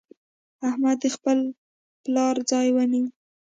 احمد د خپل پلار ځای ونيو.